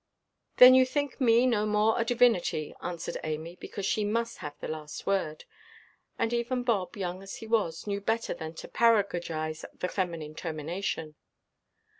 "Then think me no more a divinity," answered Amy; because she must have the last word; and even Bob, young as he was, knew better than to paragogize the feminine termination.